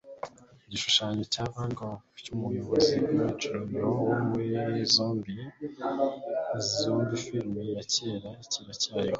Igishushanyo cya Van Gogh cyumuyobozi George Romero wo muri zombie film ya kera kiracyariho